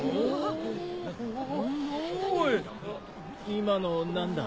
今の何だ？